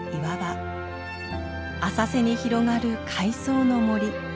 浅瀬に広がる海藻の森。